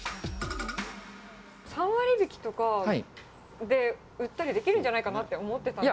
３割引きとかで売ったりできるんじゃないかなって思ってたんいや、